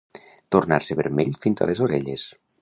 Tornar-se vermell fins a les orelles.